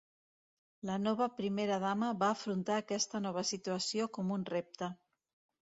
La nova Primera dama va afrontar aquesta nova situació com un repte.